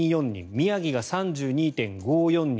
宮城が３２．５４人